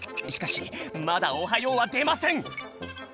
しかしまだ「おはよう」はでません。